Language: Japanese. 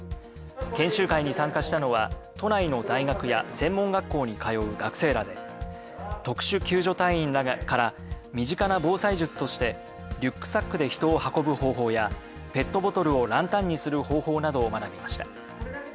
研修会に参加したのは、都内の大学や専門学校に通う学生らで、特殊救助隊員から身近な防災術として、リュックサックで人を運ぶ方法や、ペットボトルをランタンにする方法などを学びました。